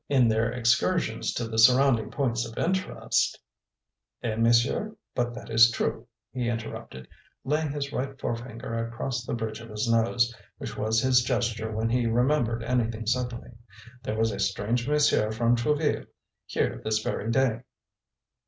In their excursions to the surrounding points of interest " "Eh, monsieur, but that is true!" he interrupted, laying his right forefinger across the bridge of his nose, which was his gesture when he remembered anything suddenly. "There was a strange monsieur from Trouville here this very day."